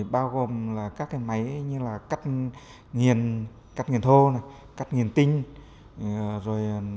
bao gồm các máy cắt nghiền thô cắt nghiền tinh